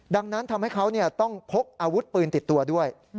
ดังนั้นทำให้เขาต้องพกอาวุธปืนติดตัวด้วย